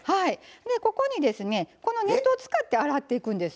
ここにこのネットを使って洗っていくんです。